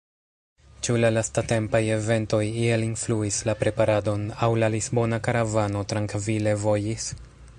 Ĉu la lastatempaj eventoj iel influis la preparadon, aŭ la lisbona karavano trankvile vojis?